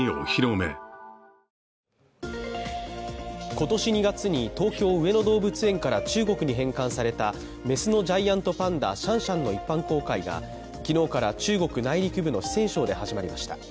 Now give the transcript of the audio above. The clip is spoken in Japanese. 今年２月に東京・上野動物園から中国に返還された雌のジャイアントパンダ・シャンシャンの一般公開が昨日から中国内陸部の四川省で始まりました。